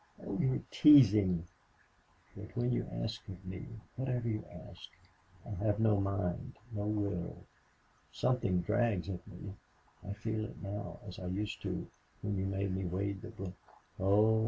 "Oh, you're teasing! Yet when you ask of me whatever you ask I have no mind no will. Something drags at me... I feel it now as I used to when you made me wade the brook." "Oh!